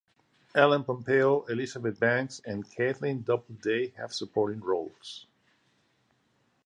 Ellen Pompeo, Elizabeth Banks, and Kaitlin Doubleday have supporting roles.